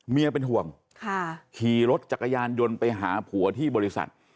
เป็นห่วงขี่รถจักรยานยนต์ไปหาผัวที่บริษัท